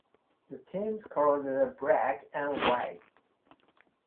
The team's colours are black and white.